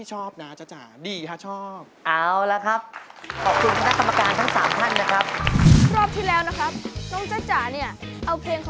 ของใจเหมือนจักรยาน